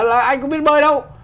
anh không biết bơi đâu